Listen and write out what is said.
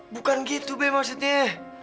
bukan gitu be maksudnya